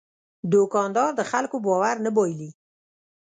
دوکاندار د خلکو باور نه بایلي.